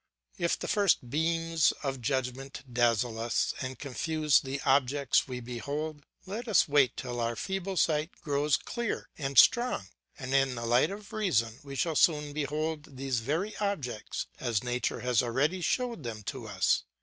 If the first beams of judgment dazzle us and confuse the objects we behold, let us wait till our feeble sight grows clear and strong, and in the light of reason we shall soon behold these very objects as nature has already showed them to us.